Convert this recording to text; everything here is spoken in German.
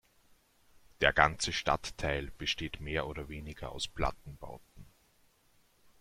Der ganze Stadtteil besteht mehr oder weniger aus Plattenbauten.